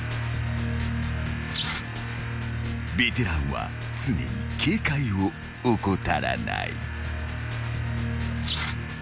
［ベテランは常に警戒を怠らない］